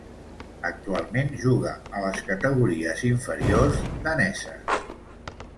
Actualment juga a les categories inferiors daneses.